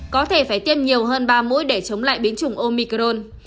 có thể phải tiêm nhiều hơn ba mũi để chống lại biến chủng omicron